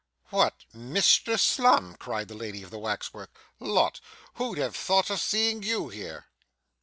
'What, Mr Slum!' cried the lady of the wax work. 'Lot! who'd have thought of seeing you here!